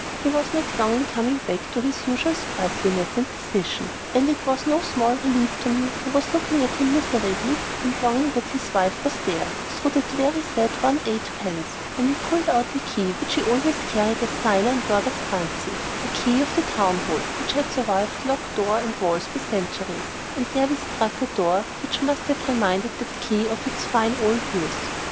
He was not long in coming back to his usual sprightliness and decision. And it was no small relief to me, who was looking at him miserably, and longing that his wife was there, through that very sad one and eightpence, when he pulled out a key, which he always carried as signer and lord of Bruntsea, the key of the town hall, which had survived lock, door, and walls by centuries, and therewith struck a door which must have reminded that key of its fine old youth.